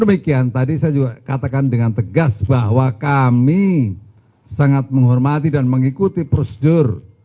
demikian tadi saya juga katakan dengan tegas bahwa kami sangat menghormati dan mengikuti prosedur